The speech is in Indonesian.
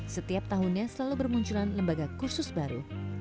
setiap tahunnya selalu bermunculan lembaga kursus baru